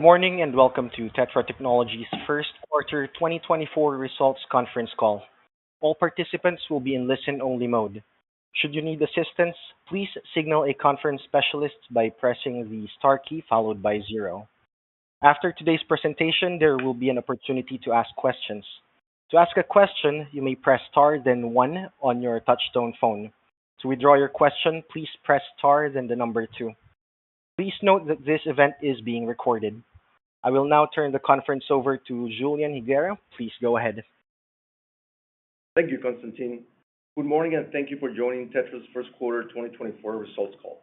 Good morning, and welcome to TETRA Technologies' Q1 2024 results conference call. All participants will be in listen-only mode. Should you need assistance, please signal a conference specialist by pressing the star key followed by zero. After today's presentation, there will be an opportunity to ask questions. To ask a question, you may press star, then one on your touchtone phone. To withdraw your question, please press star, then the number two. Please note that this event is being recorded. I will now turn the conference over to Julian Higuera. Please go ahead. Thank you, Constantine. Good morning, and thank you for joining TETRA's Q1 2024 results call.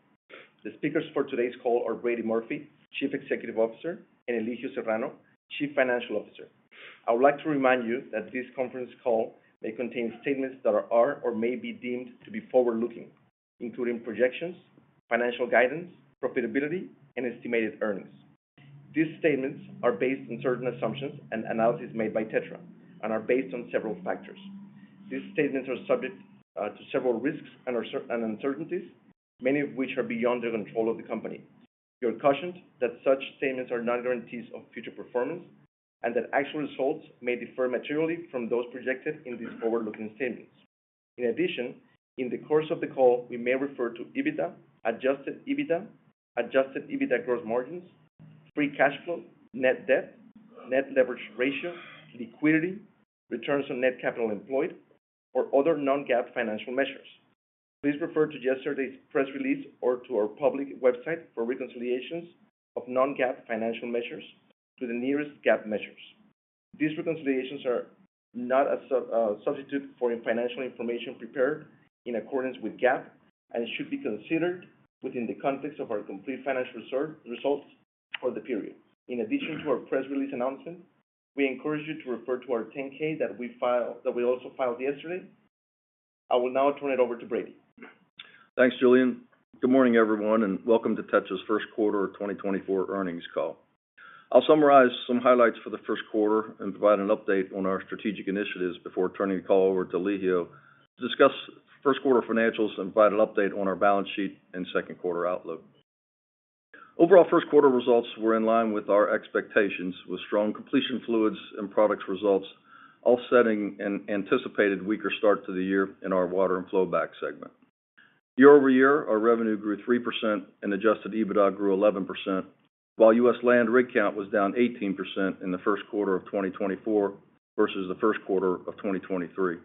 The speakers for today's call are Brady Murphy, Chief Executive Officer, and Elijio Serrano, Chief Financial Officer. I would like to remind you that this conference call may contain statements that are or may be deemed to be forward-looking, including projections, financial guidance, profitability, and estimated earnings. These statements are based on certain assumptions and analysis made by TETRA and are based on several factors. These statements are subject to several risks and uncertainties, many of which are beyond the control of the company. You are cautioned that such statements are not guarantees of future performance and that actual results may differ materially from those projected in these forward-looking statements. In addition, in the course of the call, we may refer to EBITDA, adjusted EBITDA, adjusted EBITDA gross margins, free cash flow, net debt, net leverage ratio, liquidity, returns on net capital employed, or other non-GAAP financial measures. Please refer to yesterday's press release or to our public website for reconciliations of non-GAAP financial measures to the nearest GAAP measures. These reconciliations are not a substitute for financial information prepared in accordance with GAAP and should be considered within the context of our complete financial results for the period. In addition to our press release announcement, we encourage you to refer to our 10-K that we filed, that we also filed yesterday. I will now turn it over to Brady. Thanks, Julian. Good morning, everyone, and welcome to TETRA's Q1 of 2024 earnings call. I'll summarize some highlights for the Q1 and provide an update on our strategic initiatives before turning the call over to Elijio to discuss Q1 financials and provide an update on our balance sheet and Q2 outlook. Overall, Q1 results were in line with our expectations, with strong completion fluids and products results, offsetting an anticipated weaker start to the year in our water and flowback segment. Year-over-year, our revenue grew 3% and adjusted EBITDA grew 11%, while U.S. land rig count was down 18% in the Q1 of 2024 versus the Q1 of 2023.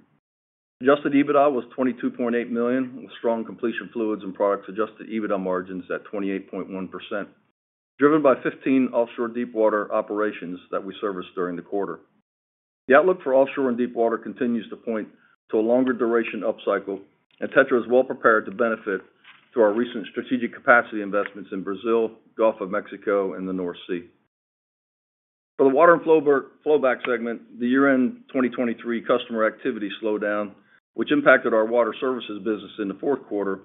Adjusted EBITDA was $22.8 million, with strong completion fluids and products adjusted EBITDA margins at 28.1%, driven by 15 offshore deepwater operations that we serviced during the quarter. The outlook for offshore and deepwater continues to point to a longer duration upcycle, and TETRA is well prepared to benefit to our recent strategic capacity investments in Brazil, Gulf of Mexico, and the North Sea. For the water and flowback, flowback segment, the year-end 2023 customer activity slowed down, which impacted our water services business in the Q4,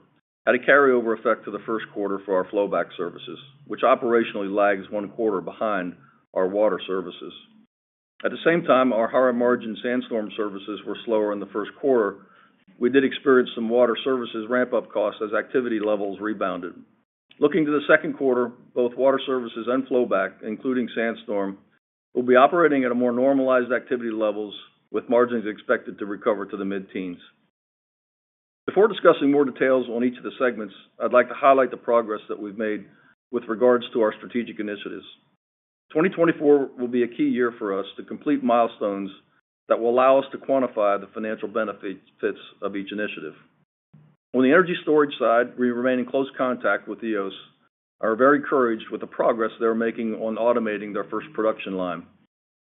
had a carryover effect to the Q1 for our flowback services, which operationally lags one quarter behind our water services. At the same time, our higher-margin SandStorm services were slower in the Q1. We did experience some water services ramp-up costs as activity levels rebounded. Looking to the Q2, both water services and flowback, including SandStorm, will be operating at a more normalized activity levels, with margins expected to recover to the mid-teens. Before discussing more details on each of the segments, I'd like to highlight the progress that we've made with regards to our strategic initiatives. 2024 will be a key year for us to complete milestones that will allow us to quantify the financial benefits, fits of each initiative. On the energy storage side, we remain in close contact with Eos, are very encouraged with the progress they're making on automating their first production line.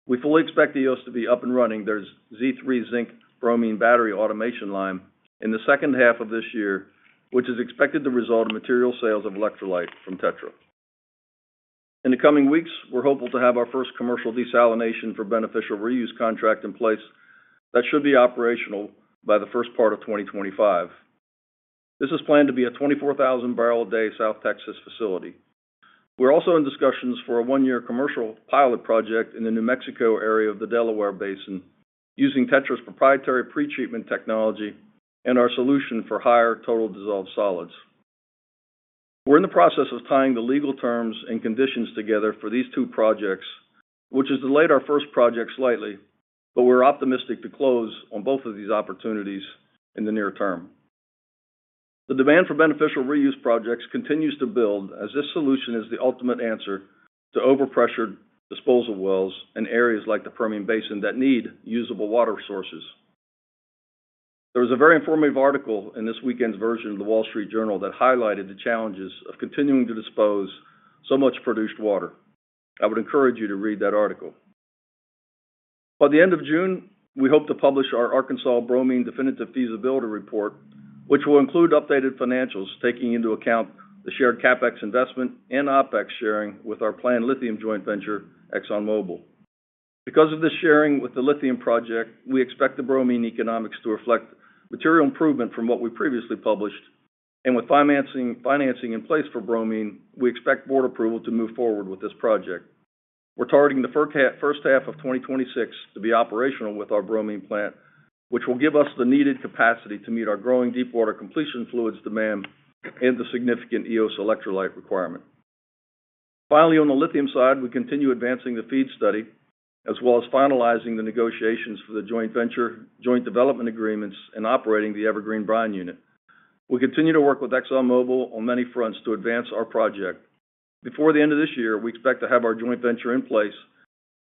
We fully expect Eos to be up and running, their Z3 zinc bromide battery automation line, in the second half of this year, which is expected to result in material sales of electrolyte from TETRA. In the coming weeks, we're hopeful to have our first commercial desalination for beneficial reuse contract in place that should be operational by the first part of 2025. This is planned to be a 24,000 barrel a day South Texas facility. We're also in discussions for a 1-year commercial pilot project in the New Mexico area of the Delaware Basin, using TETRA's proprietary pretreatment technology and our solution for higher total dissolved solids. We're in the process of tying the legal terms and conditions together for these two projects, which has delayed our first project slightly, but we're optimistic to close on both of these opportunities in the near term. The demand for beneficial reuse projects continues to build as this solution is the ultimate answer to overpressure disposal wells in areas like the Permian Basin that need usable water sources. There was a very informative article in this weekend's version of The Wall Street Journal that highlighted the challenges of continuing to dispose so much produced water. I would encourage you to read that article. By the end of June, we hope to publish our Arkansas bromine definitive feasibility report, which will include updated financials, taking into account the shared CapEx investment and OpEx sharing with our planned lithium joint venture, ExxonMobil. Because of this sharing with the lithium project, we expect the bromine economics to reflect material improvement from what we previously published, and with financing in place for bromine, we expect board approval to move forward with this project. We're targeting the first half of 2026 to be operational with our bromine plant, which will give us the needed capacity to meet our growing deepwater completion fluids demand and the significant Eos electrolyte requirement. Finally, on the lithium side, we continue advancing the FEED study, as well as finalizing the negotiations for the joint venture, joint development agreements, and operating the Evergreen Brine Unit. We continue to work with ExxonMobil on many fronts to advance our project. Before the end of this year, we expect to have our joint venture in place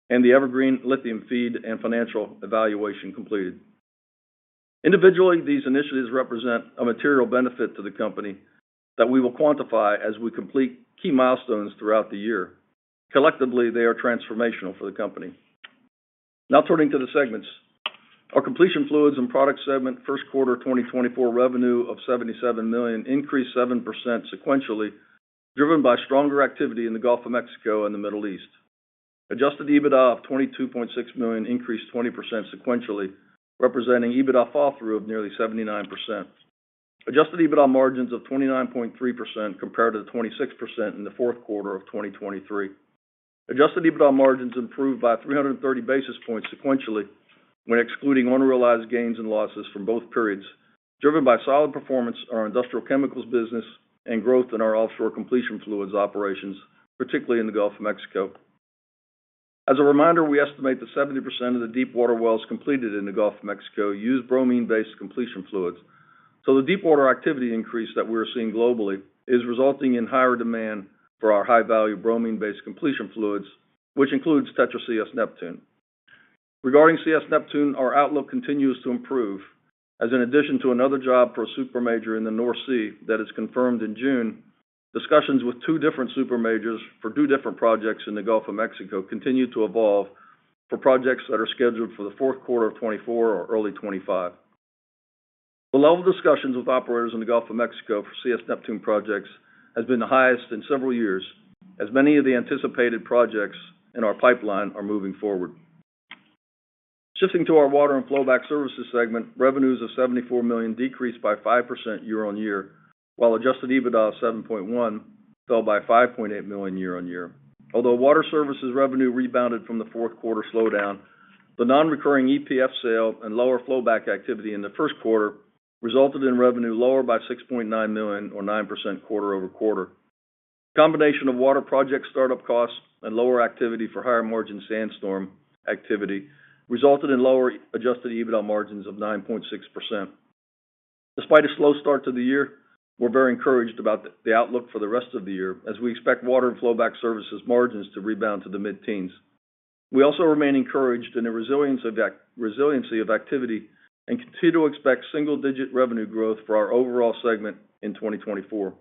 and the Evergreen lithium FEED and financial evaluation completed. Individually, these initiatives represent a material benefit to the company that we will quantify as we complete key milestones throughout the year. Collectively, they are transformational for the company. Now turning to the segments. Our Completion Fluids and product segment, Q1 2024 revenue of $77 million, increased 7% sequentially, driven by stronger activity in the Gulf of Mexico and the Middle East. Adjusted EBITDA of $22.6 million increased 20% sequentially, representing EBITDA fall-through of nearly 79%. Adjusted EBITDA margins of 29.3% compared to the 26% in the Q4 of 2023. Adjusted EBITDA margins improved by 330 basis points sequentially, when excluding unrealized gains and losses from both periods, driven by solid performance in our industrial chemicals business and growth in our offshore completion fluids operations, particularly in the Gulf of Mexico. As a reminder, we estimate that 70% of the deepwater wells completed in the Gulf of Mexico use bromine-based completion fluids. So the deepwater activity increase that we're seeing globally is resulting in higher demand for our high-value bromine-based completion fluids, which includes TETRA CS Neptune. Regarding CS Neptune, our outlook continues to improve, as in addition to another job for a super major in the North Sea that is confirmed in June, discussions with two different super majors for two different projects in the Gulf of Mexico continue to evolve for projects that are scheduled for the Q4 of 2024 or early 2025. The level of discussions with operators in the Gulf of Mexico for CS Neptune projects has been the highest in several years, as many of the anticipated projects in our pipeline are moving forward. Shifting to our water and flowback services segment, revenues of $74 million decreased by 5% year-on-year, while adjusted EBITDA of $7.1 fell by $5.8 million year-on-year. Although water services revenue rebounded from the Q4 slowdown, the non-recurring EPF sale and lower flowback activity in the Q1 resulted in revenue lower by $6.9 million or 9% quarter-over-quarter. Combination of water project startup costs and lower activity for higher-margin SandStorm activity resulted in lower Adjusted EBITDA margins of 9.6%. Despite a slow start to the year, we're very encouraged about the outlook for the rest of the year as we expect water and flowback services margins to rebound to the mid-teens. We also remain encouraged in the resiliency of activity and continue to expect single-digit revenue growth for our overall segment in 2024.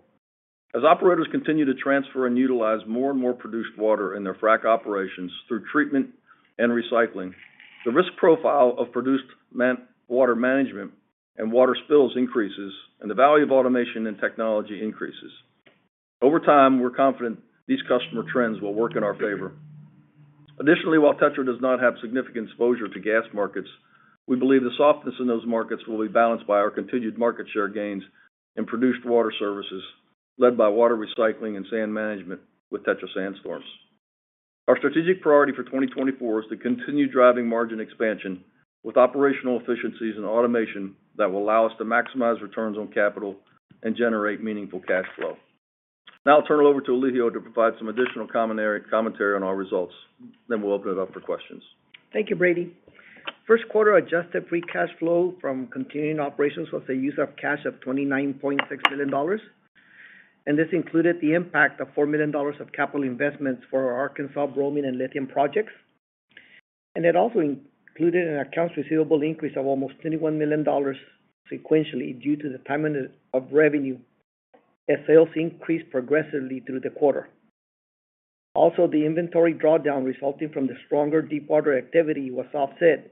As operators continue to transfer and utilize more and more produced water in their frack operations through treatment and recycling, the risk profile of produced water management and water spills increases, and the value of automation and technology increases. Over time, we're confident these customer trends will work in our favor. Additionally, while TETRA does not have significant exposure to gas markets, we believe the softness in those markets will be balanced by our continued market share gains in produced water services, led by water recycling and sand management with TETRA SandStorm. Our strategic priority for 2024 is to continue driving margin expansion with operational efficiencies and automation that will allow us to maximize returns on capital and generate meaningful cash flow. Now I'll turn it over to Elijio to provide some additional commentary on our results, then we'll open it up for questions. Thank you, Brady. Q1 adjusted free cash flow from continuing operations was a use of cash of $29.6 million, and this included the impact of $4 million of capital investments for our Arkansas bromine and lithium projects. It also included an accounts receivable increase of almost $21 million sequentially, due to the timing of revenue, as sales increased progressively through the quarter. Also, the inventory drawdown resulting from the stronger deepwater activity was offset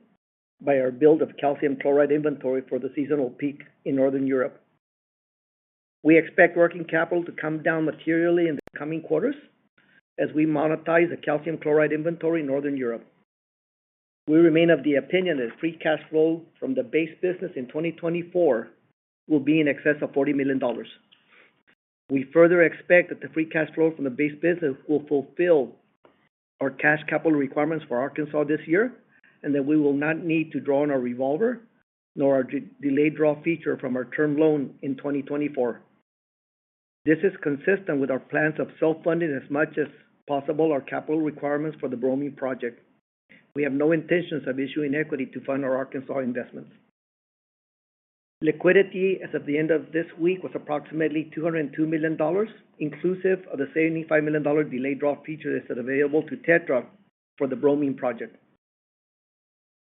by our build of calcium chloride inventory for the seasonal peak in Northern Europe. We expect working capital to come down materially in the coming quarters as we monetize the calcium chloride inventory in Northern Europe. We remain of the opinion that free cash flow from the base business in 2024 will be in excess of $40 million. We further expect that the free cash flow from the base business will fulfill our cash capital requirements for Arkansas this year, and that we will not need to draw on our revolver, nor our delayed draw feature from our term loan in 2024. This is consistent with our plans of self-funding as much as possible, our capital requirements for the bromine project. We have no intentions of issuing equity to fund our Arkansas investments. Liquidity as of the end of this week was approximately $202 million, inclusive of the $75 million delayed draw feature that is available to Tetra for the bromine project.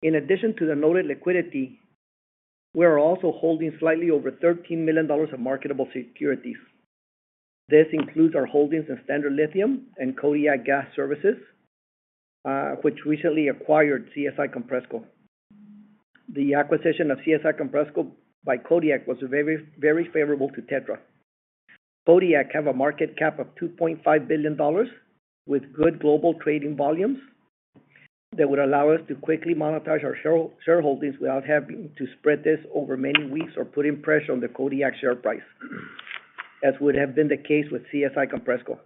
In addition to the noted liquidity, we are also holding slightly over $13 million of marketable securities. This includes our holdings in Standard Lithium and Kodiak Gas Services, which recently acquired CSI Compressco. The acquisition of CSI Compressco by Kodiak was very, very favorable to Tetra. Kodiak have a market cap of $2.5 billion with good global trading volumes.... that would allow us to quickly monetize our shareholdings without having to spread this over many weeks or putting pressure on the Kodiak share price, as would have been the case with CSI Compressco.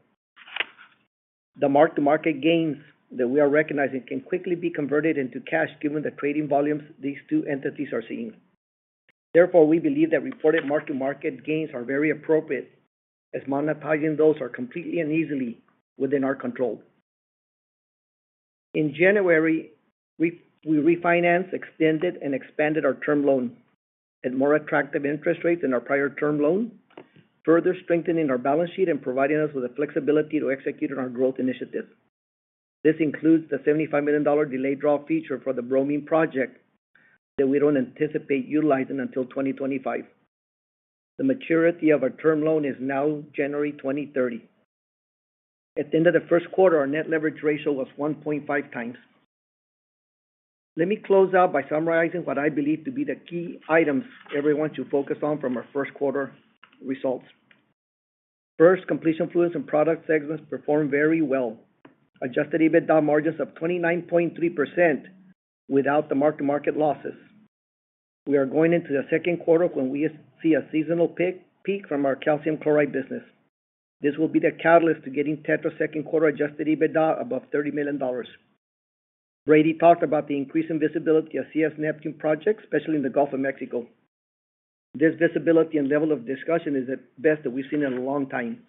The mark-to-market gains that we are recognizing can quickly be converted into cash given the trading volumes these two entities are seeing. Therefore, we believe that reported mark-to-market gains are very appropriate, as monetizing those are completely and easily within our control. In January, we refinanced, extended, and expanded our term loan at more attractive interest rates than our prior term loan, further strengthening our balance sheet and providing us with the flexibility to execute on our growth initiatives. This includes the $75 million delayed draw feature for the bromine project that we don't anticipate utilizing until 2025. The maturity of our term loan is now January 2030. At the end of the Q1, our net leverage ratio was 1.5 times. Let me close out by summarizing what I believe to be the key items everyone should focus on from our Q1 results. First, completion fluids and product segments performed very well. Adjusted EBITDA margins of 29.3% without the mark-to-market losses. We are going into the Q2 when we see a seasonal peak from our calcium chloride business. This will be the catalyst to getting TETRA Q2 adjusted EBITDA above $30 million. Brady talked about the increasing visibility of CS Neptune projects, especially in the Gulf of Mexico. This visibility and level of discussion is the best that we've seen in a long time.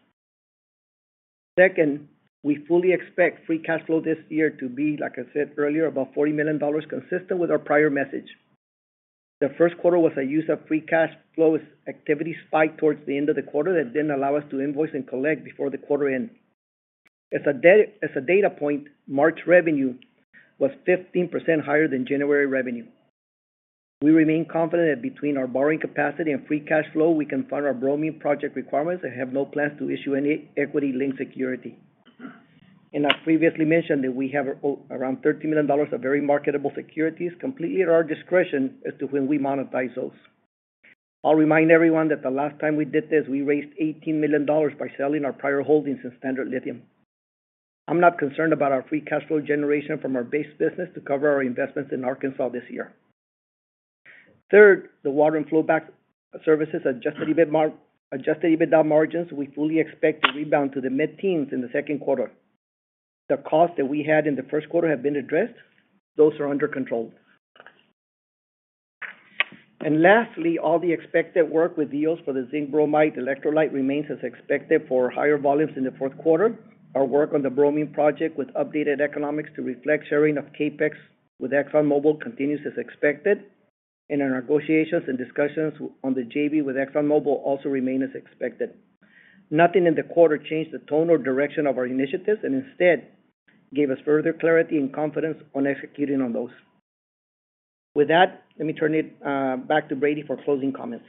Second, we fully expect free cash flow this year to be, like I said earlier, about $40 million, consistent with our prior message. The Q1 was a use of free cash flows, activity spiked towards the end of the quarter that didn't allow us to invoice and collect before the quarter end. As a data point, March revenue was 15% higher than January revenue. We remain confident that between our borrowing capacity and free cash flow, we can fund our bromine project requirements and have no plans to issue any equity link security. I previously mentioned that we have around $13 million of very marketable securities, completely at our discretion as to when we monetize those. I'll remind everyone that the last time we did this, we raised $18 million by selling our prior holdings in Standard Lithium. I'm not concerned about our Free Cash Flow generation from our base business to cover our investments in Arkansas this year. Third, the water and flowback services Adjusted EBITDA margins, we fully expect to rebound to the mid-teens in the Q2. The costs that we had in the Q1 have been addressed. Those are under control. And lastly, all the expected work with deals for the zinc bromide electrolyte remains as expected for higher volumes in the Q4. Our work on the bromine project, with updated economics to reflect sharing of CapEx with ExxonMobil, continues as expected, and our negotiations and discussions on the JV with ExxonMobil also remain as expected. Nothing in the quarter changed the tone or direction of our initiatives, and instead, gave us further clarity and confidence on executing on those. With that, let me turn it back to Brady for closing comments.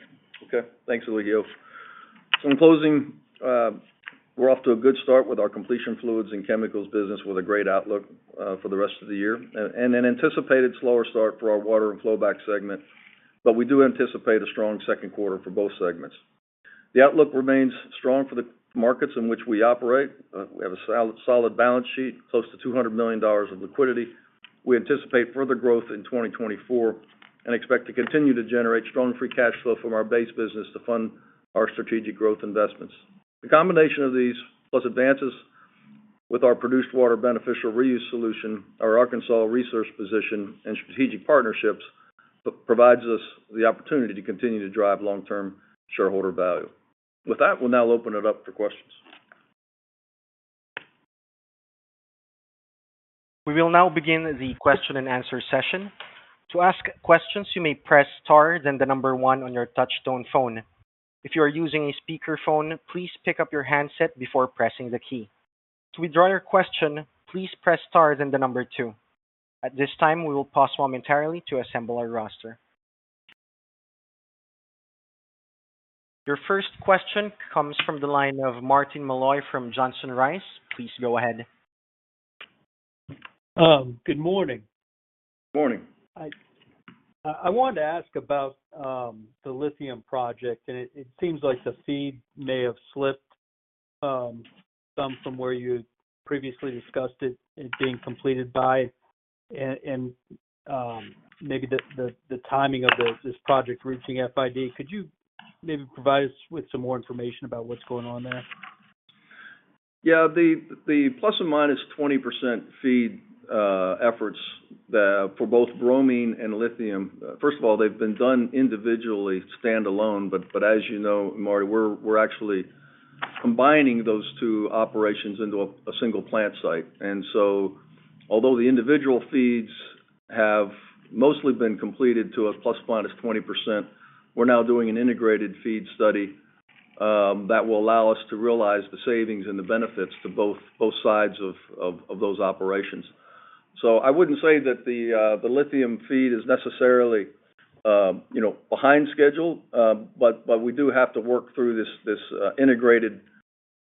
Okay. Thanks, Elijio. So in closing, we're off to a good start with our completion fluids and chemicals business with a great outlook for the rest of the year, and an anticipated slower start for our water and flowback segment. But we do anticipate a strong Q2 for both segments. The outlook remains strong for the markets in which we operate. We have a solid balance sheet, close to $200 million of liquidity. We anticipate further growth in 2024, and expect to continue to generate strong free cash flow from our base business to fund our strategic growth investments. The combination of these, plus advances with our produced water beneficial reuse solution, our Arkansas resource position, and strategic partnerships, provides us the opportunity to continue to drive long-term shareholder value. With that, we'll now open it up for questions. We will now begin the question and answer session. To ask questions, you may press star, then the number one on your touchtone phone. If you are using a speakerphone, please pick up your handset before pressing the key. To withdraw your question, please press star, then the number two. At this time, we will pause momentarily to assemble our roster. Your first question comes from the line of Martin Malloy from Johnson Rice. Please go ahead. Good morning. Morning. I wanted to ask about the lithium project, and it seems like the FEED may have slipped some from where you previously discussed it being completed by. And maybe the timing of this project reaching FID. Could you maybe provide us with some more information about what's going on there? Yeah, the plus or minus 20% FEED efforts for both bromine and lithium. First of all, they've been done individually, standalone. But as you know, Marty, we're actually combining those two operations into a single plant site. And so although the individual FEED's have mostly been completed to a plus or minus 20%, we're now doing an integrated FEED study that will allow us to realize the savings and the benefits to both sides of those operations. So I wouldn't say that the lithium FEED is necessarily, you know, behind schedule, but we do have to work through this integrating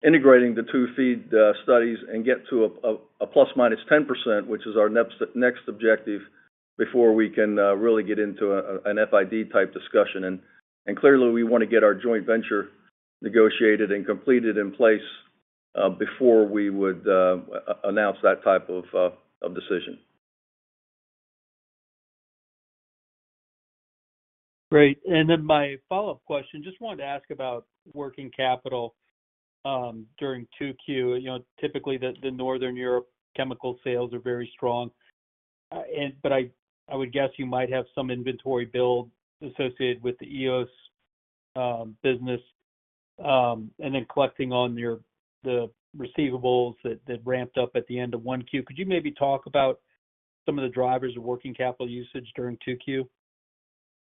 the two FEED studies and get to a ±10%, which is our next objective, before we can really get into a FID-type discussion. And clearly, we want to get our joint venture negotiated and completed in place before we would announce that type of decision. Great. And then my follow-up question, just wanted to ask about working capital during 2Q. You know, typically, the Northern Europe chemical sales are very strong. But I would guess you might have some inventory build associated with the Eos business, and then collecting on the receivables that ramped up at the end of 1Q. Could you maybe talk about some of the drivers of working capital usage during 2Q?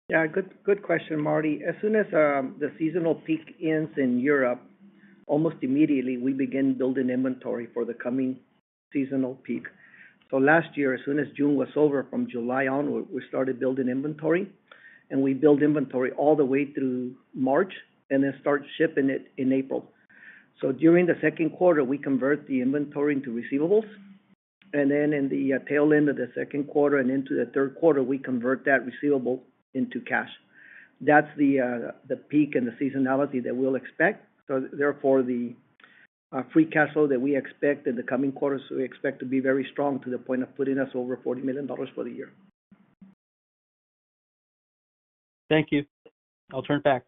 Yeah, good, good question, Marty. As soon as the seasonal peak ends in Europe, almost immediately, we begin building inventory for the coming seasonal peak. So last year, as soon as June was over, from July on, we, we started building inventory, and we build inventory all the way through March and then start shipping it in April. So during the Q2, we convert the inventory into receivables, and then in the tail end of the Q2 and into the Q3, we convert that receivable into cash. That's the peak and the seasonality that we'll expect. So therefore, the free cash flow that we expect in the coming quarters, we expect to be very strong to the point of putting us over $40 million for the year. Thank you. I'll turn back.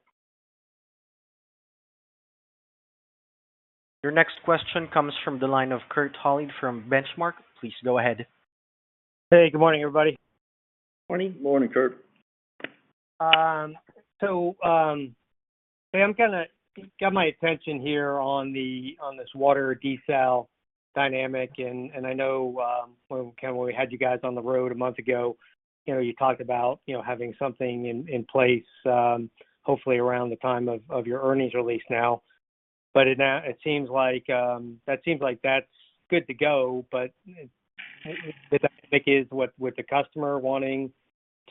Your next question comes from the line of Kurt Hallead from Benchmark. Please go ahead. Hey, good morning, everybody. Morning. Morning, Kurt. So, I'm kinda got my attention here on the, on this water desal dynamic, and I know, when we had you guys on the road a month ago, you know, you talked about, you know, having something in place, hopefully around the time of your earnings release now. But now it seems like that seems like that's good to go, but the dynamic is with the customer wanting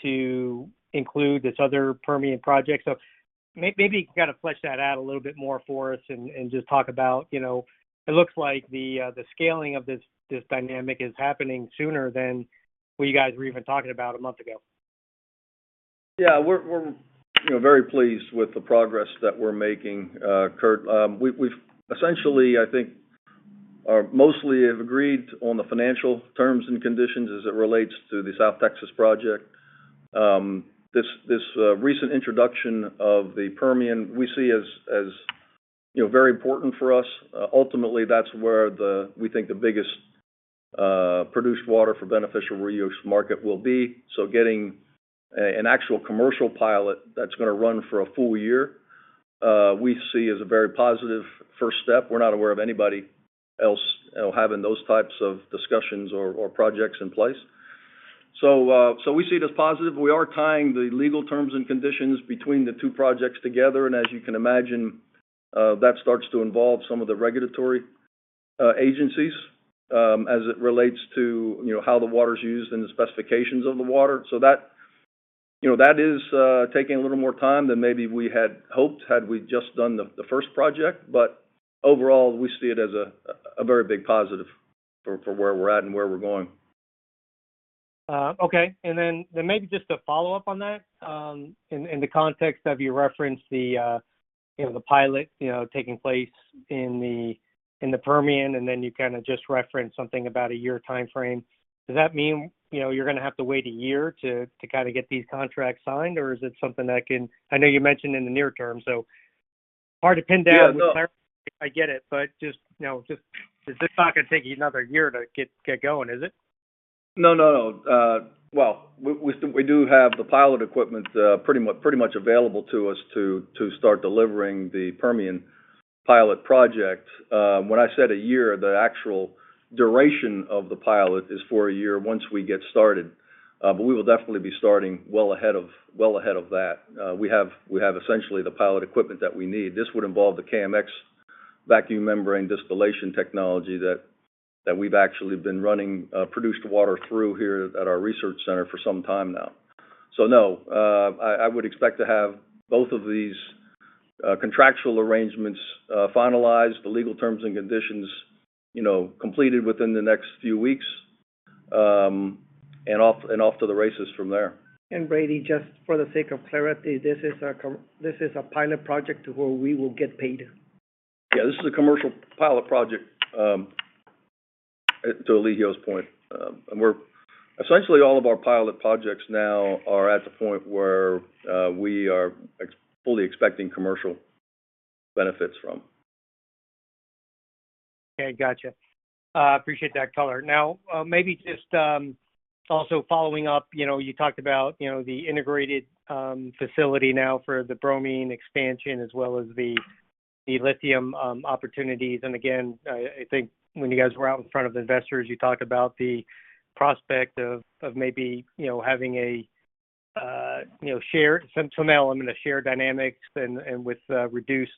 to include this other Permian project. So maybe kind of flesh that out a little bit more for us and just talk about, you know, it looks like the scaling of this dynamic is happening sooner than what you guys were even talking about a month ago. Yeah, we're, you know, very pleased with the progress that we're making, Kurt. We've essentially, I think, mostly have agreed on the financial terms and conditions as it relates to the South Texas project. This recent introduction of the Permian, we see as, you know, very important for us. Ultimately, that's where we think the biggest produced water for beneficial reuse market will be. So getting an actual commercial pilot that's gonna run for a full year, we see as a very positive first step. We're not aware of anybody else having those types of discussions or projects in place. So we see it as positive. We are tying the legal terms and conditions between the two projects together, and as you can imagine, that starts to involve some of the regulatory agencies, as it relates to, you know, how the water is used and the specifications of the water. So that, you know, that is taking a little more time than maybe we had hoped had we just done the first project. But overall, we see it as a very big positive for where we're at and where we're going. Okay. And then, then maybe just a follow-up on that. In the context of you referenced the, you know, the pilot, you know, taking place in the Permian, and then you kinda just referenced something about a year timeframe. Does that mean, you know, you're gonna have to wait a year to kinda get these contracts signed, or is it something that can, I know you mentioned in the near term, so hard to pin down. Yeah, no I get it, but just, you know, it's not gonna take you another year to get going, is it? No, no, no. Well, we do have the pilot equipment pretty much available to us to start delivering the Permian pilot project. When I said a year, the actual duration of the pilot is for a year once we get started, but we will definitely be starting well ahead of that. We have essentially the pilot equipment that we need. This would involve the KMX vacuum membrane distillation technology that we've actually been running produced water through here at our research center for some time now. So no, I would expect to have both of these contractual arrangements finalized, the legal terms and conditions, you know, completed within the next few weeks, and off to the races from there. Brady, just for the sake of clarity, this is a pilot project where we will get paid? Yeah, this is a commercial pilot project to Elijio's point. And we're essentially all of our pilot projects now are at the point where we are fully expecting commercial benefits from. Okay, gotcha. Appreciate that color. Now, maybe just also following up, you know, you talked about, you know, the integrated facility now for the bromine expansion as well as the lithium opportunities. And again, I, I think when you guys were out in front of the investors, you talked about the prospect of maybe, you know, having a you know share to an element a share dynamics and with reduced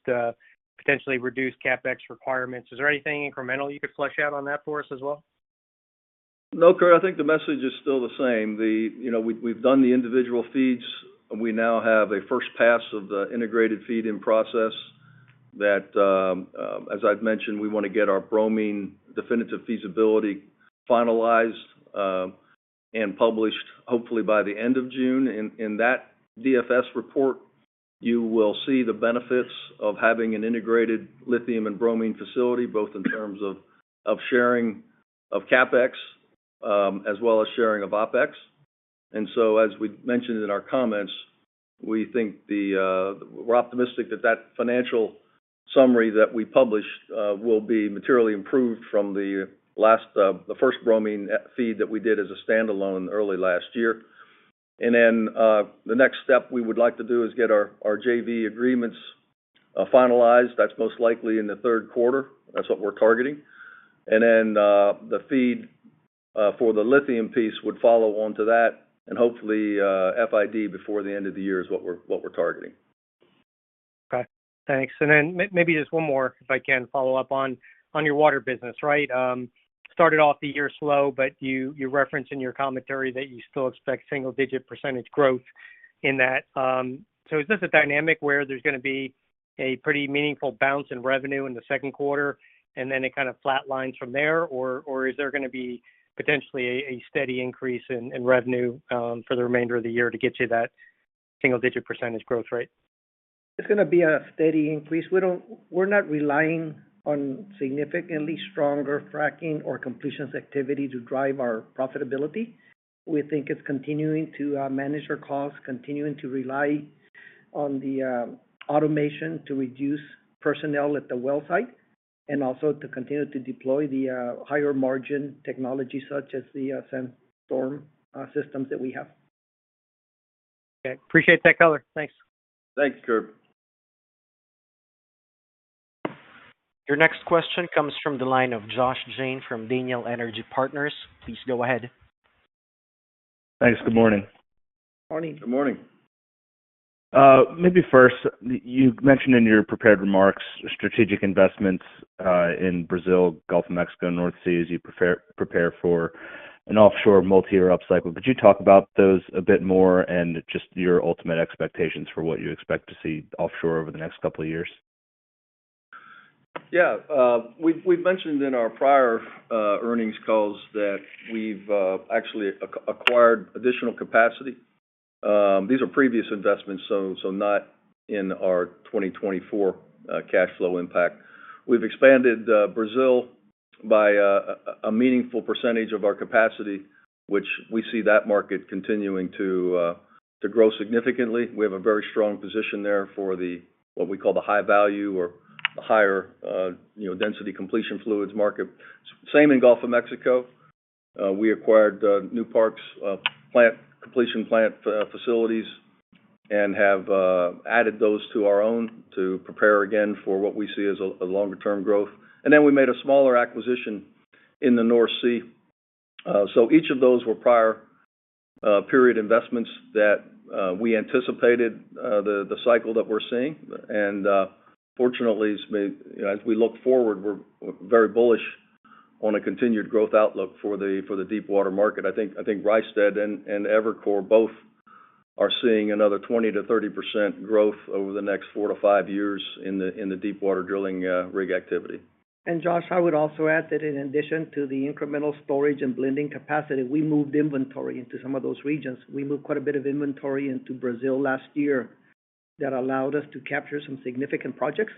potentially reduced CapEx requirements. Is there anything incremental you could flesh out on that for us as well? No, Kurt, I think the message is still the same. The-- you know, we've done the individual FEEDs, and we now have a first pass of the integrated FEED process that, as I've mentioned, we wanna get our bromine definitive feasibility finalized, and published hopefully by the end of June. In that DFS report, you will see the benefits of having an integrated lithium and bromine facility, both in terms of sharing of CapEx, as well as sharing of CapEx. And so, as we mentioned in our comments, we think we're optimistic that that financial summary that we published will be materially improved from the last, the first bromine FEED that we did as a standalone early last year. And then, the next step we would like to do is get our JV agreements finalized. That's most likely in the Q3. That's what we're targeting. And then, the FEED for the lithium piece would follow on to that, and hopefully, FID, before the end of the year, is what we're, what we're targeting. Okay, thanks. And then maybe just one more, if I can follow up on your water business, right? Started off the year slow, but you referenced in your commentary that you still expect single-digit % growth in that. So is this a dynamic where there's gonna be a pretty meaningful bounce in revenue in the Q2, and then it kind of flatlines from there? Or is there gonna be potentially a steady increase in revenue for the remainder of the year to get to that single-digit % growth rate? It's gonna be a steady increase. We're not relying on significantly stronger fracking or completions activity to drive our profitability. We think it's continuing to manage our costs, continuing to rely on the automation to reduce personnel at the well site, and also to continue to deploy the higher margin technology, such as the Sandstorm systems that we have. Okay. Appreciate that color. Thanks. Thanks, Kurt. Your next question comes from the line of Josh Jayne from Daniel Energy Partners. Please go ahead. Thanks. Good morning. Morning. Good morning. Maybe first, you mentioned in your prepared remarks, strategic investments, in Brazil, Gulf of Mexico, North Sea, as you prefer—prepare for an offshore multi-year upcycle. Could you talk about those a bit more and just your ultimate expectations for what you expect to see offshore over the next couple of years? Yeah, we've mentioned in our prior earnings calls that we've actually acquired additional capacity. These are previous investments, so not in our 2024 cash flow impact. We've expanded Brazil by a meaningful percentage of our capacity, which we see that market continuing to grow significantly. We have a very strong position there for the, what we call the high value or the higher, you know, density completion fluids market. Same in Gulf of Mexico. We acquired Newpark's completion plant facilities, and have added those to our own to prepare again for what we see as a longer term growth. And then, we made a smaller acquisition in the North Sea. So each of those were prior period investments that we anticipated, the cycle that we're seeing. And fortunately, as we look forward, we're very bullish on a continued growth outlook for the deepwater market. I think Rystad and Evercore both are seeing another 20%-30% growth over the next 4-5 years in the deepwater drilling rig activity. And Josh, I would also add that in addition to the incremental storage and blending capacity, we moved inventory into some of those regions. We moved quite a bit of inventory into Brazil last year that allowed us to capture some significant projects,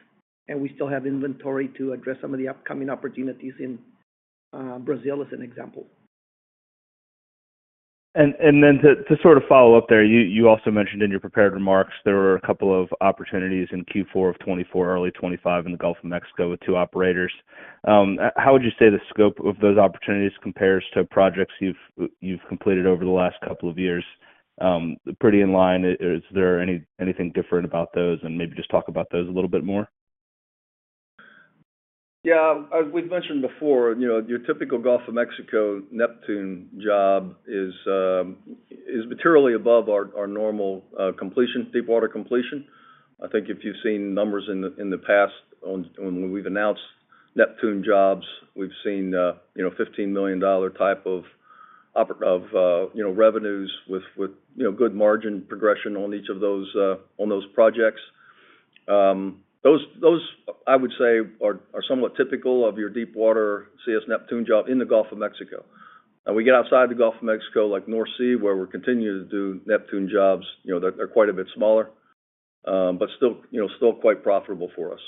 and we still have inventory to address some of the upcoming opportunities in Brazil, as an example. Then to sort of follow up there, you also mentioned in your prepared remarks there were a couple of opportunities in Q4 of 2024, early 2025 in the Gulf of Mexico with two operators. How would you say the scope of those opportunities compares to projects you've completed over the last couple of years? Pretty in line. Is there anything different about those? And maybe just talk about those a little bit more. Yeah, as we've mentioned before, you know, your typical Gulf of Mexico Neptune job is materially above our normal completion, deepwater completion. I think if you've seen numbers in the past on when we've announced Neptune jobs, we've seen you know, $15 million type of revenues with good margin progression on each of those, on those projects. Those I would say are somewhat typical of your deepwater CS Neptune job in the Gulf of Mexico. When we get outside the Gulf of Mexico, like North Sea, where we're continuing to do Neptune jobs, you know, they're quite a bit smaller, but still, you know, still quite profitable for us.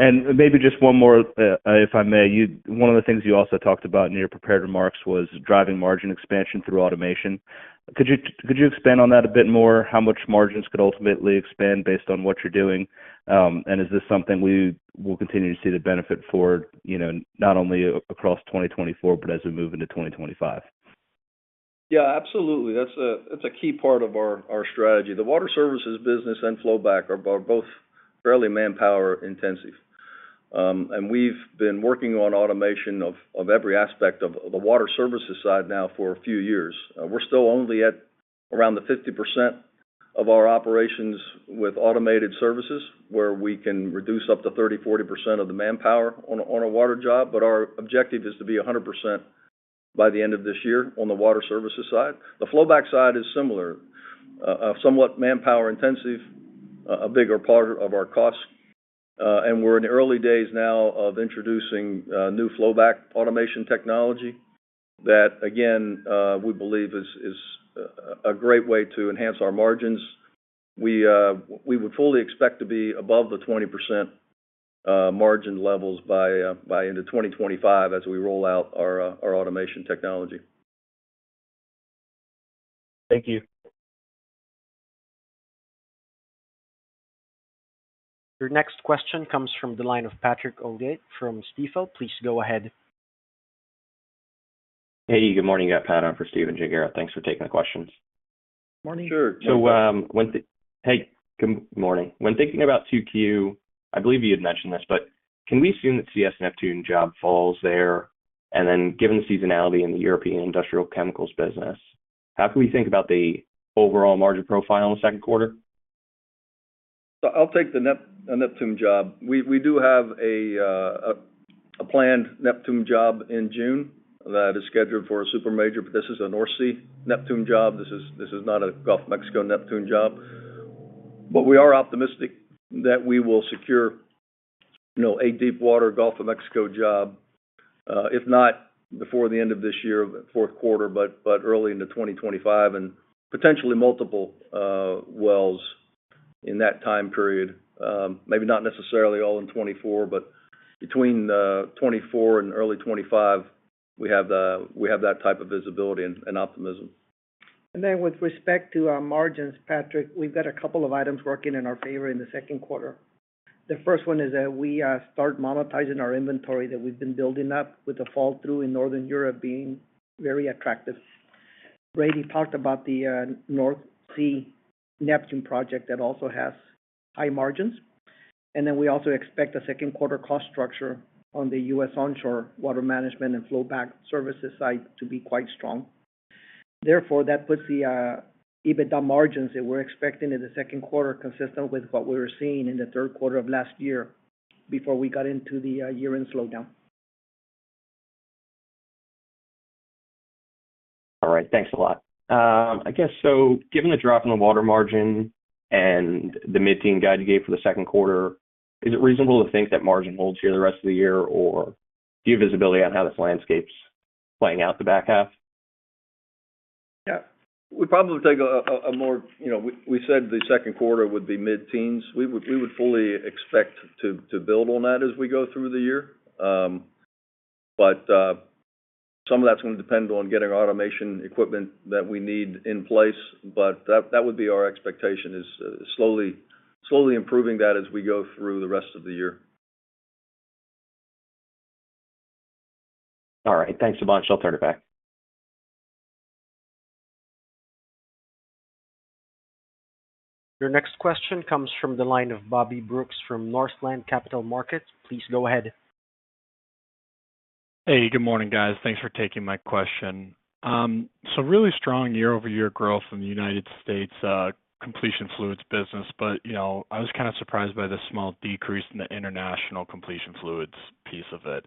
Maybe just one more, if I may. You, one of the things you also talked about in your prepared remarks was driving margin expansion through automation. Could you, could you expand on that a bit more? How much margins could ultimately expand based on what you're doing? And is this something we will continue to see the benefit for, you know, not only across 2024, but as we move into 2025? Yeah, absolutely. That's a key part of our strategy. The water services business and flowback are both fairly manpower intensive. And we've been working on automation of every aspect of the water services side now for a few years. We're still only at around 50% of our operations with automated services, where we can reduce up to 30%-40% of the manpower on a water job, but our objective is to be 100% by the end of this year on the water services side. The flowback side is similar. Somewhat manpower intensive, a bigger part of our costs. And we're in the early days now of introducing new flowback automation technology that, again, we believe is a great way to enhance our margins. We would fully expect to be above the 20% margin levels by end of 2025 as we roll out our automation technology. Thank you. Your next question comes from the line of Patrick Ogate from Stifel. Please go ahead. Hey, good morning. You got Pat on for Stephen Gengaro. Thanks for taking the questions. Morning. Sure. Hey, good morning. When thinking about 2Q, I believe you had mentioned this, but can we assume that CS Neptune job falls there? And then, given the seasonality in the European industrial chemicals business, how can we think about the overall margin profile in the Q2? So I'll take the Nep, the Neptune job. We do have a planned Neptune job in June that is scheduled for a super major, but this is a North Sea Neptune job. This is not a Gulf of Mexico Neptune job. But we are optimistic that we will secure, you know, a deepwater Gulf of Mexico job, if not before the end of this year, Q4, but early into 2025, and potentially multiple wells in that time period. Maybe not necessarily all in 2024, but between 2024 and early 2025, we have that type of visibility and optimism. And then with respect to our margins, Patrick, we've got a couple of items working in our favor in the Q2. The first one is that we start monetizing our inventory that we've been building up, with the fall through in Northern Europe being very attractive. Brady talked about the North Sea Neptune project that also has high margins. And then we also expect a Q2 cost structure on the U.S. onshore water management and flowback services side to be quite strong. Therefore, that puts the EBITDA margins that we're expecting in the Q2, consistent with what we were seeing in the Q3 of last year before we got into the year-end slowdown. All right. Thanks a lot. I guess so, given the drop in the water margin and the mid-teen guide you gave for the Q2, is it reasonable to think that margin holds here the rest of the year, or do you have visibility on how this landscape's playing out the back half? Yeah. We'd probably take a more... You know, we said the Q2 would be mid-teens. We would fully expect to build on that as we go through the year. But some of that's gonna depend on getting automation equipment that we need in place, but that would be our expectation, is slowly improving that as we go through the rest of the year. All right. Thanks a bunch. I'll turn it back. Your next question comes from the line of Bobby Brooks from Northland Capital Markets. Please go ahead. Hey, good morning, guys. Thanks for taking my question. So really strong year-over-year growth in the United States, completion fluids business, but, you know, I was kind of surprised by the small decrease in the international completion fluids piece of it,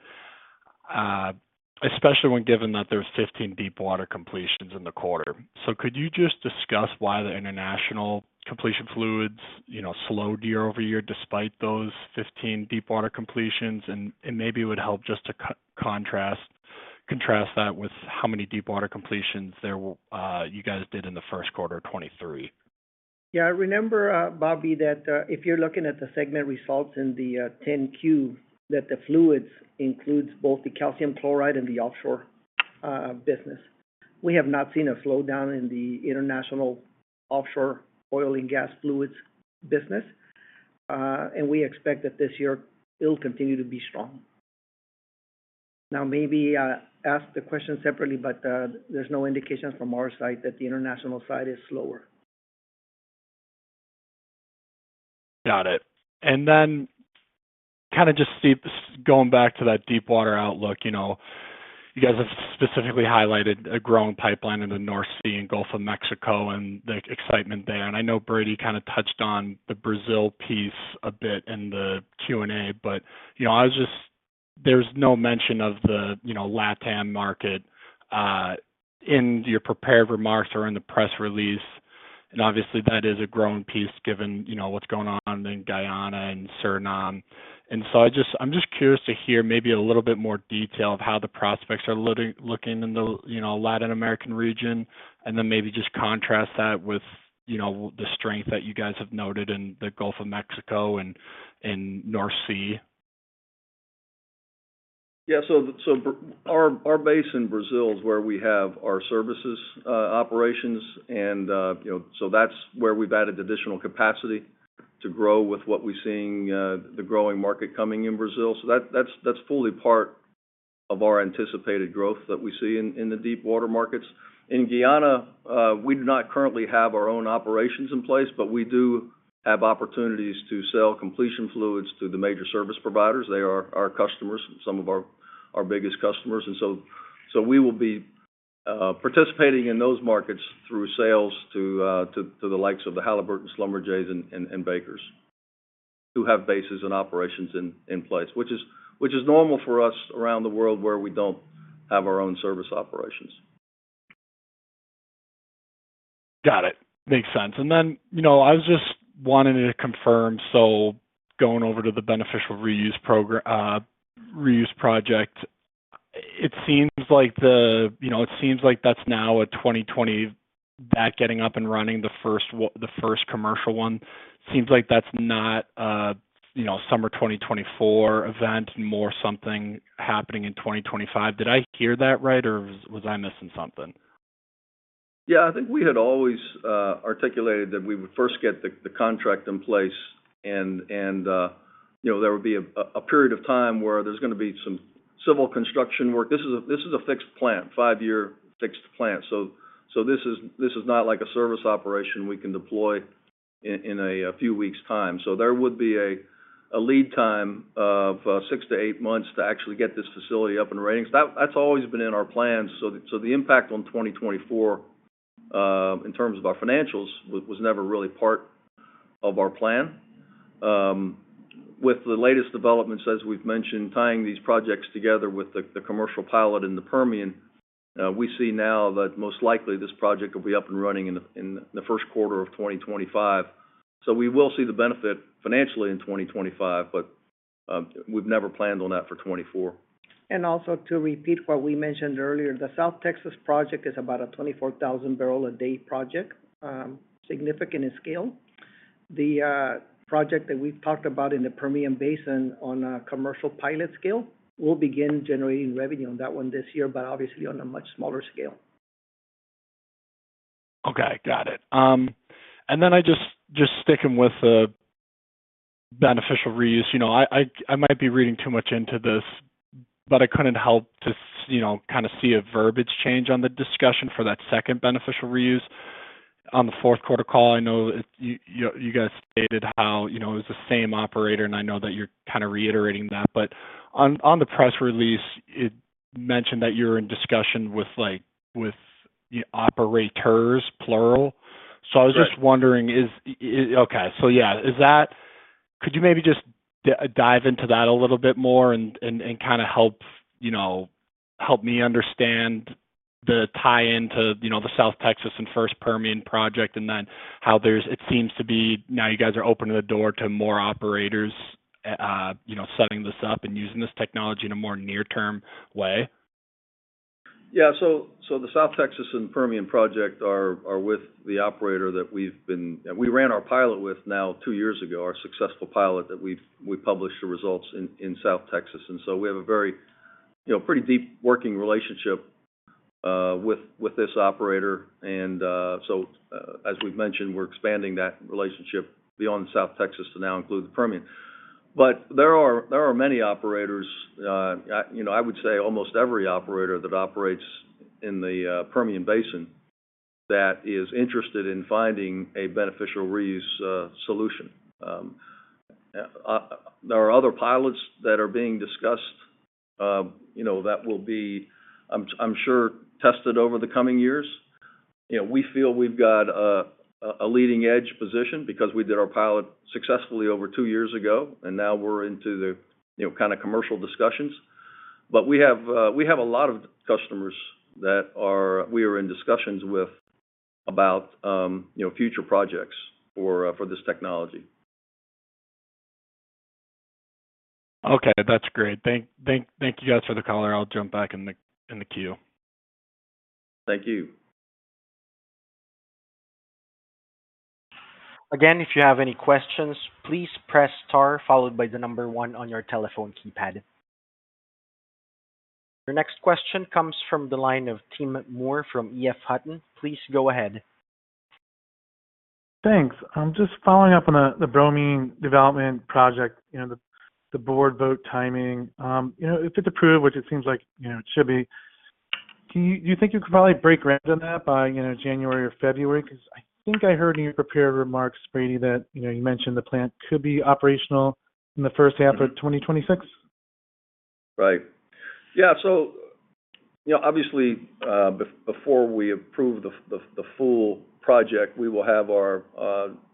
especially when given that there's 15 deepwater completions in the quarter. So could you just discuss why the international completion fluids, you know, slowed year over year, despite those 15 deepwater completions? And, and maybe it would help just to contrast that with how many deepwater completions there were, you guys did in the Q1 of 2023. Yeah, I remember, Bobby, that if you're looking at the segment results in the 10-Q, that the fluids includes both the calcium chloride and the offshore business. We have not seen a slowdown in the international offshore oil and gas fluids business, and we expect that this year it'll continue to be strong. Now, maybe ask the question separately, but there's no indication from our side that the international side is slower. Got it. And then kind of just see, going back to that deepwater outlook, you know, you guys have specifically highlighted a growing pipeline in the North Sea and Gulf of Mexico and the excitement there. And I know Brady kind of touched on the Brazil piece a bit in the Q&A, but, you know, I was just—there's no mention of the, you know, LatAm market, in your prepared remarks or in the press release, and obviously, that is a growing piece, given, you know, what's going on in Guyana and Suriname. And so I just—I'm just curious to hear maybe a little bit more detail of how the prospects are looking, looking in the, you know, Latin American region, and then maybe just contrast that with, you know, the strength that you guys have noted in the Gulf of Mexico and, and North Sea? Yeah. So, our base in Brazil is where we have our services operations and, you know, so that's where we've added additional capacity to grow with what we're seeing, the growing market coming in Brazil. So that's fully part of our anticipated growth that we see in the deepwater markets. In Guyana, we do not currently have our own operations in place, but we do have opportunities to sell completion fluids to the major service providers. They are our customers, some of our biggest customers, and so we will be participating in those markets through sales to the likes of the Halliburton, Schlumberger, and Bakers who have bases and operations in place, which is normal for us around the world where we don't have our own service operations. Got it. Makes sense. And then, you know, I was just wanting to confirm, so going over to the beneficial reuse program, reuse project, it seems like the—you know, it seems like that's now a 2020, that getting up and running the first one, the first commercial one, seems like that's not a, you know, summer 2024 event, more something happening in 2025. Did I hear that right, or was, was I missing something? Yeah, I think we had always articulated that we would first get the contract in place and, you know, there would be a period of time where there's gonna be some civil construction work. This is a fixed plant, 5-year fixed plant. So this is not like a service operation we can deploy in a few weeks time. So there would be a lead time of 6-8 months to actually get this facility up and running. So that's always been in our plans. So the impact on 2024, in terms of our financials, was never really part of our plan. With the latest developments, as we've mentioned, tying these projects together with the commercial pilot in the Permian, we see now that most likely this project will be up and running in the Q1 of 2025. So we will see the benefit financially in 2025, but we've never planned on that for 2024. Also to repeat what we mentioned earlier, the South Texas project is about a 24,000 barrel a day project, significant in scale. The project that we've talked about in the Permian Basin on a commercial pilot scale, we'll begin generating revenue on that one this year, but obviously on a much smaller scale. Okay, got it. And then I just sticking with the beneficial reuse. You know, I might be reading too much into this, but I couldn't help to you know, kind of see a verbiage change on the discussion for that second beneficial reuse. On the Q4 call, I know you guys stated how, you know, it was the same operator, and I know that you're kind of reiterating that. But on the press release, it mentioned that you're in discussion with, like, with the operators, plural. Right. So I was just wondering, could you maybe just dive into that a little bit more and kind of help, you know, help me understand the tie-in to, you know, the South Texas and first Permian project, and then how there's—it seems to be now you guys are opening the door to more operators, you know, setting this up and using this technology in a more near-term way? Yeah. So, the South Texas and Permian project are with the operator that we ran our pilot with now two years ago, our successful pilot, that we published the results in South Texas. And so we have a very, you know, pretty deep working relationship with this operator. And so, as we've mentioned, we're expanding that relationship beyond South Texas to now include the Permian. But there are many operators, you know, I would say almost every operator that operates in the Permian Basin that is interested in finding a beneficial reuse solution. There are other pilots that are being discussed, you know, that will be, I'm sure, tested over the coming years. You know, we feel we've got a leading-edge position because we did our pilot successfully over two years ago, and now we're into the, you know, kind of commercial discussions. But we have a lot of customers we are in discussions with about, you know, future projects for this technology. Okay, that's great. Thank you guys for the call, and I'll jump back in the queue. Thank you. Again, if you have any questions, please press Star followed by the number one on your telephone keypad. Your next question comes from the line of Tim Moore from EF Hutton. Please go ahead. Thanks. Just following up on the bromine development project, you know, the board vote timing. You know, if it's approved, which it seems like, you know, it should be, can you—do you think you could probably break ground on that by, you know, January or February? Because I think I heard in your prepared remarks, Brady, that, you know, you mentioned the plant could be operational in the first half of 2026. Right. Yeah, so, you know, obviously, before we approve the full project, we will have our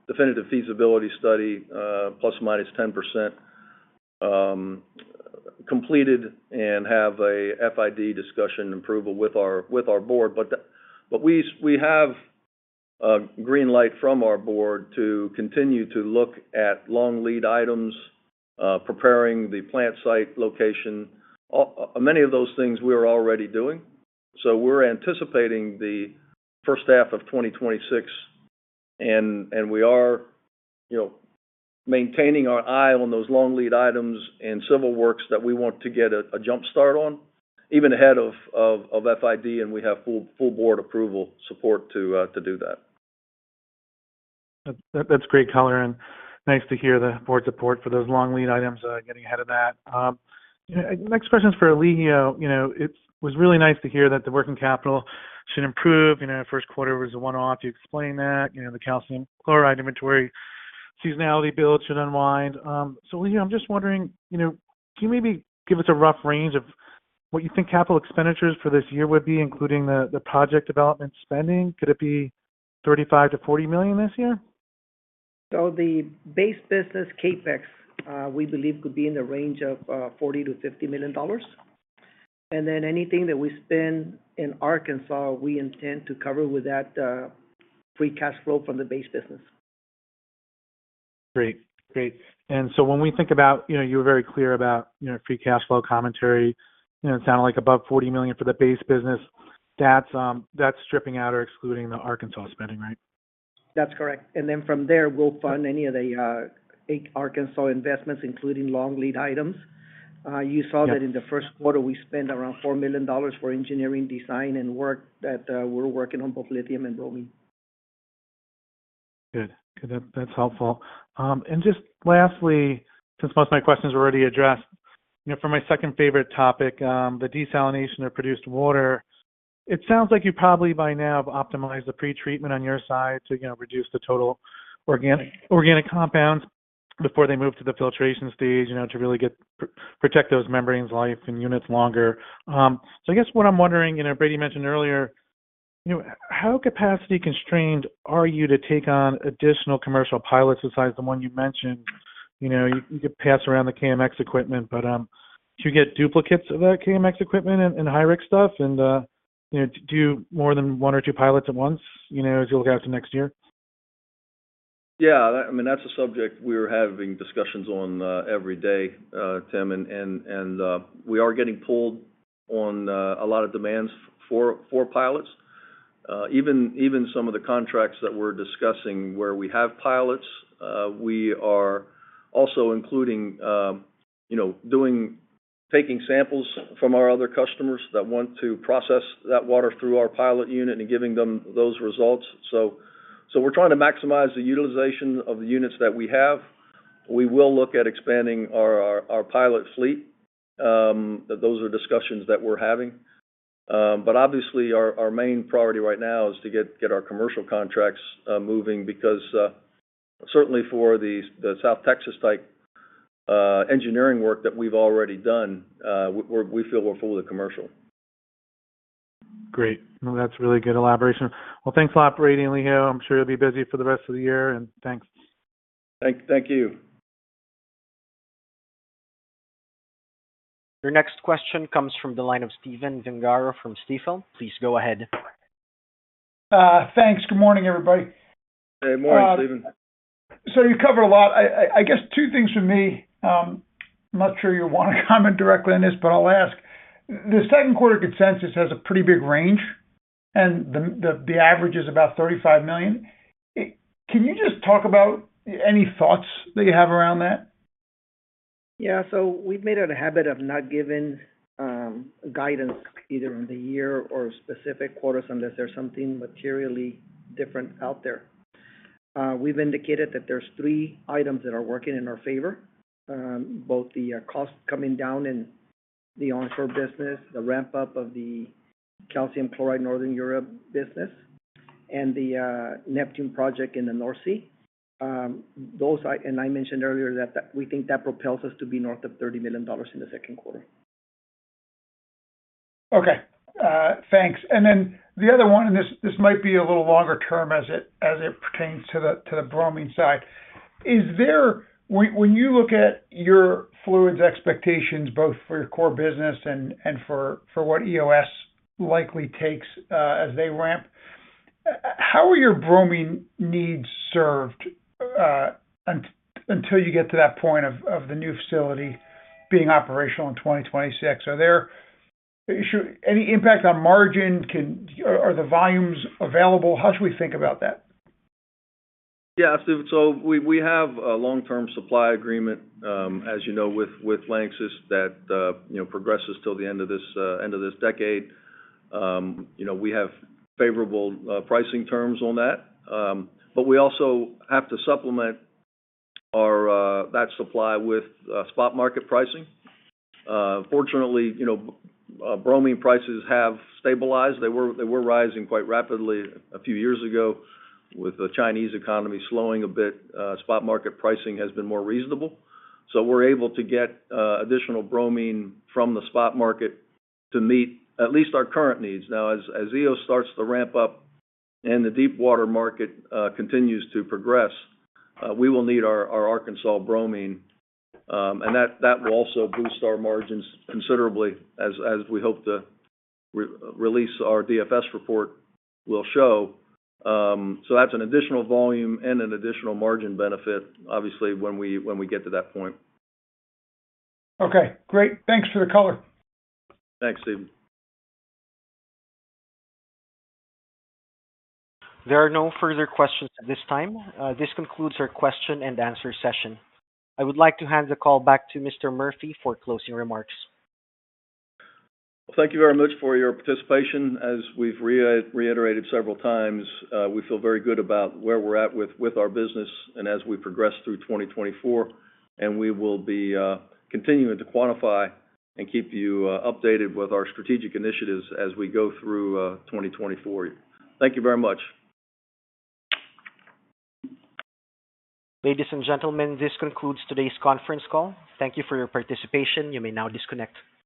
Definitive Feasibility Study, ±10%, completed and have a FID discussion approval with our board. But we have green light from our board to continue to look at long lead items, preparing the plant site location. Many of those things we are already doing, so we're anticipating the first half of 2026, and we are, you know, maintaining our eye on those long lead items and civil works that we want to get a jump start on, even ahead of FID, and we have full board approval support to do that. That, that's great color, and nice to hear the board support for those long lead items, getting ahead of that. Next question is for Elijio. You know, it was really nice to hear that the working capital should improve. You know, Q1 was a one-off, you explained that, you know, the calcium chloride inventory, seasonality build should unwind. So Elijio, I'm just wondering, you know, can you maybe give us a rough range of what you think capital expenditures for this year would be, including the project development spending? Could it be $35 million-$40 million this year? The base business CapEx, we believe, could be in the range of $40 million-$50 million. Then anything that we spend in Arkansas, we intend to cover with that free cash flow from the base business. Great. Great. And so when we think about, you know, you're very clear about, you know, Free Cash Flow commentary. You know, it sounded like above $40 million for the base business. That's, that's stripping out or excluding the Arkansas spending, right? That's correct. Then from there, we'll fund any of the eight Arkansas investments, including long lead items. You saw- Yeah that in the Q1, we spent around $4 million for engineering, design, and work that we're working on, both lithium and bromine. Good. Good. That's helpful. And just lastly, since most of my questions were already addressed, you know, for my second favorite topic, the desalination of produced water. It sounds like you probably, by now, have optimized the pretreatment on your side to, again, reduce the total organic compounds before they move to the filtration stage, you know, to really get, protect those membranes life and units longer. So I guess what I'm wondering, and Brady mentioned earlier, you know, how capacity constrained are you to take on additional commercial pilots besides the one you mentioned? You know, you could pass around the KMX equipment, but, do you get duplicates of that KMX equipment and high-risk stuff? And, you know, do you do more than one or two pilots at once, you know, as you look out to next year? Yeah, I mean, that's a subject we're having discussions on every day, Tim, and we are getting pulled on a lot of demands for pilots. Even some of the contracts that we're discussing where we have pilots, we are also including, you know, taking samples from our other customers that want to process that water through our pilot unit and giving them those results. So we're trying to maximize the utilization of the units that we have. We will look at expanding our pilot fleet, but those are discussions that we're having. But obviously, our main priority right now is to get our commercial contracts moving, because certainly for the South Texas-type engineering work that we've already done, we feel we're full with the commercial. Great. Well, that's really good elaboration. Well, thanks a lot, Brady and Elijio. I'm sure you'll be busy for the rest of the year, and thanks. Thank you. Your next question comes from the line of Stephen Gengaro from Stifel. Please go ahead. Thanks. Good morning, everybody. Good morning, Stephen. You covered a lot. I guess two things from me. I'm not sure you want to comment directly on this, but I'll ask. The Q2 consensus has a pretty big range, and the average is about $35 million. It. Can you just talk about any thoughts that you have around that? Yeah, so we've made it a habit of not giving guidance either in the year or specific quarters, unless there's something materially different out there. We've indicated that there's three items that are working in our favor, both the cost coming down and the onshore business, the ramp-up of the calcium chloride Northern Europe business, and the Neptune project in the North Sea. Those and I mentioned earlier that we think that propels us to be north of $30 million in the Q2. Okay, thanks. And then the other one, and this, this might be a little longer term as it, as it pertains to the, to the bromine side. Is there... When, when you look at your fluids expectations, both for your core business and, and for, for what Eos likely takes, as they ramp, how are your bromine needs served, until you get to that point of, of the new facility being operational in 2026? Are there any impact on margin? Are, are the volumes available? How should we think about that? Yeah, so we, we have a long-term supply agreement, as you know, with Lanxess that, you know, progresses till the end of this decade. You know, we have favorable pricing terms on that. But we also have to supplement our that supply with spot market pricing. Fortunately, you know, bromine prices have stabilized. They were, they were rising quite rapidly a few years ago. With the Chinese economy slowing a bit, spot market pricing has been more reasonable. So we're able to get additional bromine from the spot market to meet at least our current needs. Now, as Eos starts to ramp up and the deepwater market continues to progress, we will need our Arkansas bromine, and that will also boost our margins considerably as we hope the re-release our DFS report will show. So that's an additional volume and an additional margin benefit, obviously, when we get to that point. Okay, great. Thanks for the color. Thanks, Stephen. There are no further questions at this time. This concludes our question and answer session. I would like to hand the call back to Mr. Murphy for closing remarks. Thank you very much for your participation. As we've reiterated several times, we feel very good about where we're at with our business and as we progress through 2024, and we will be continuing to quantify and keep you updated with our strategic initiatives as we go through 2024. Thank you very much. Ladies and gentlemen, this concludes today's conference call. Thank you for your participation. You may now disconnect.